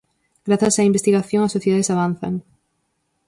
Grazas á investigación as sociedades avanzan.